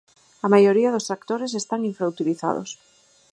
A maioría dos tractores están infrautilizados.